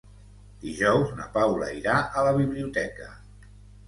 Dijous na Paula irà a la biblioteca.